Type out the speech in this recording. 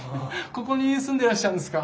ここにすんでらっしゃるんですか？